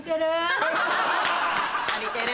足りてる？